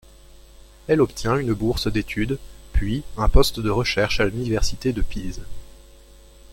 Elle obtient une bourse d'étude puis un poste de recherche à l'Université de Pise.